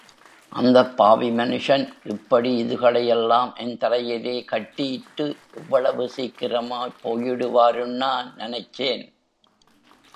அந்தப் பாவி மனுஷன், இப்படி இதுகளை யெல்லாம் என் தலையிலே கட்டீட்டு இவ்வளவு சீக்கிரமாப் போயிடுவாருன்னா நெனச்சேன்?